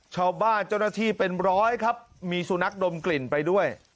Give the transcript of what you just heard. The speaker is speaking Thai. ชาวบ้านเจ้าหน้าที่เป็นร้อยครับมีสุนัขดมกลิ่นไปด้วย